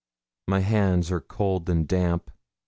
My hands are cold and damp.